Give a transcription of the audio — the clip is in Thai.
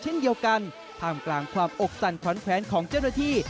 เช่นเดียวกันท่ามกลางความอกสั่นขวัญแขวนของเจ้าหน้าที่